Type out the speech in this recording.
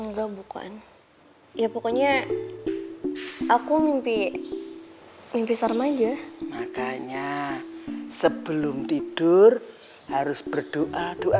enggak bukan ya pokoknya aku mimpi mimpi sama aja makanya sebelum tidur harus berdoa doa